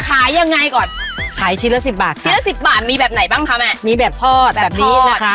ขายยังไงก่อนขายชิ้นละสิบบาทชิ้นละสิบบาทมีแบบไหนบ้างคะแม่มีแบบทอดแบบนี้นะคะ